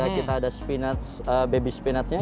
kita ada baby spinachnya